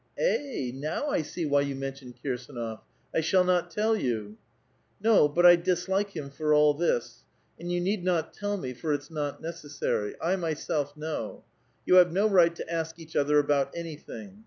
"j&Vi/ now I see why you mention Kirsdnof; I shall not tell vou !'*^' No ! but I dislike him for all this ; and you need not tell me, for it'd not necessary. I myself know. You have no right to ask each other about p^uything.